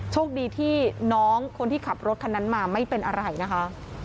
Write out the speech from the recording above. โชคดีที่น้องคนที่ขับรถคันนั้นมาไม่เป็นอะไรนะคะ